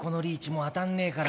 もう当たんねえから。